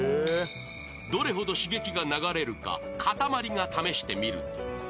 ［どれほど刺激が流れるかかたまりが試してみると］